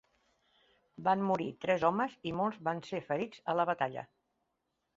Van morir tres homes, i molts van ser ferits a la batalla.